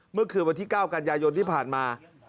เมื่อคืนวันที่๙กันยายนที่ผ่านมา